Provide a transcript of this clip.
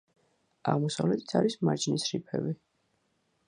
აღმოსავლეთით არის მარჯნის რიფები.